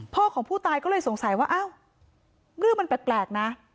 ของผู้ตายก็เลยสงสัยว่าอ้าวเรื่องมันแปลกนะ